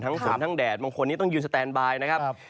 ฝนทั้งแดดบางคนนี้ต้องยืนสแตนบายนะครับ